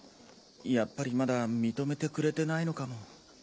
やっぱりまだ認めてくれてないのかも。